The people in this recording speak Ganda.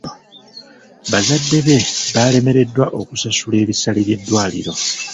Bazadde be balemereddwa okusasula ebisale by'eddwaliro.